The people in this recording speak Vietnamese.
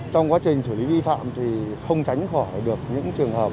trong quá trình xử lý vi phạm thì không tránh khỏi được những trường hợp